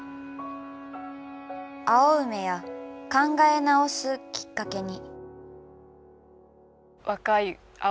「青梅や考え直すきっかけに」。